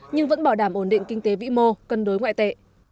nhưng vẫn bảo đảm ổn định kinh tế vĩ mô cân đối ngoại tệ